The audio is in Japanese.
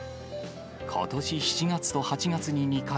ことし７月と８月に２回、